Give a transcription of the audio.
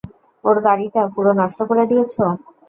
ওর গাড়িটা পুরো নষ্ট করে দিয়েছ?